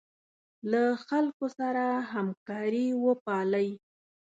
له خلکو سره همکاري وپالئ.